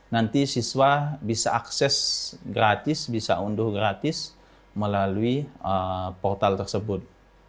nanti siswa bisa akses gratis bisa unduh gratis melalui portal tersebut